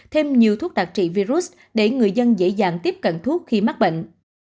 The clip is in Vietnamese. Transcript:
thêm nhiều thuốc đặc trị virus để người dân dễ dàng tiếp cận thuốc khi mắc bệnh